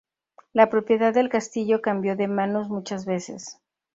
La propiedad del castillo cambió de manos muchas veces.